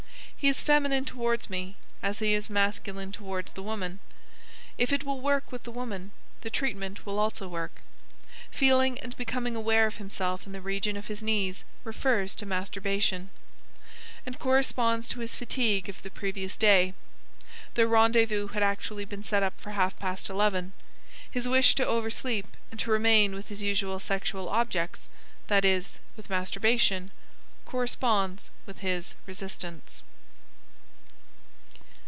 He is feminine towards me, as he is masculine towards the woman. If it will work with the woman, the treatment will also work. Feeling and becoming aware of himself in the region of his knees refers to masturbation, and corresponds to his fatigue of the previous day.... The rendezvous had actually been set for half past eleven. His wish to oversleep and to remain with his usual sexual objects (that is, with masturbation) corresponds with his resistance.